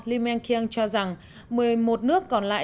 limeng kieng cho rằng một mươi một nước còn lại